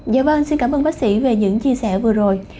dạ vâng xin cảm ơn bác sĩ về những chia sẻ vừa rồi